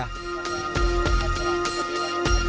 sebagai partai pemenang pemilu lalu